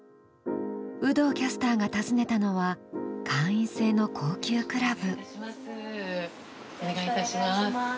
有働キャスターが訪ねたのは会員制の高級クラブ。